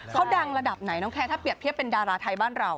เขาดังระดับไหนน้องแคร์ถ้าเปรียบเทียบเป็นดาราไทยบ้านเรา